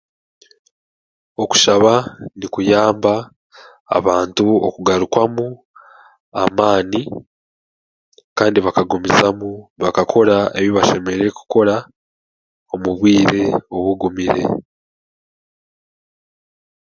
Okushaba nikuyamab abantu okugarukwamu amaani kandi bakagumizamu bakakora ebi bashemeriere kukora omu bwire obugumire